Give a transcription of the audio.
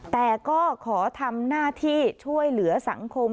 แต่ก็ขอทำหน้าที่ช่วยเหลือสังคม